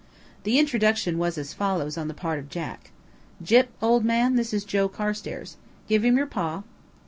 The introduction was as follows on the part of Jack: "Gyp, old man, this is Joe Carstairs. Give him your paw."